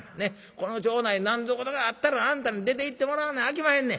この町内何ぞ事があったらあんたに出ていってもらわなあきまへんねん。